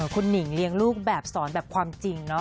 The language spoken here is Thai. คุณหนิงเลี้ยงลูกแบบสอนแบบความจริงเนาะ